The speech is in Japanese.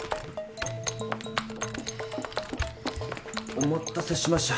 お待たせしました。